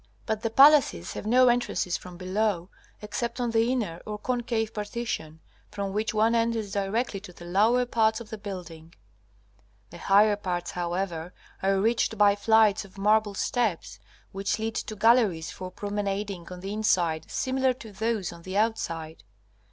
But the palaces have no entrances from below, except on the inner or concave partition, from which one enters directly to the lower parts of the building. The higher parts, however, are reached by flights of marble steps, which lead to galleries for promenading on the inside similar to those on the outside.